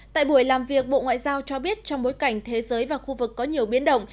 tại buổi làm việc bộ ngoại giao cho biết trong bối cảnh thế giới và khu vực có nhiều biến động